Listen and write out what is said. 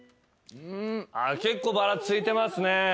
結構バラついてますね。